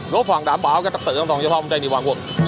góp phản đảm bảo các trật tự an toàn giao thông trên địa bàn quận